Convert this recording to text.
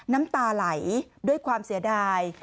น้ำตาไหลด้วยความเสียดาย